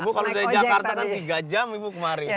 ibu kalau dari jakarta kan tiga jam ibu kemarin